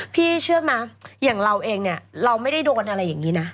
พี่เชื่อไหมอย่างเราเองเนี่ยเราไม่ได้โดนอะไรอย่างนี้นะ